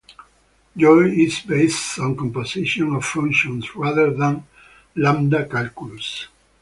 Joy is based on composition of functions rather than lambda calculus.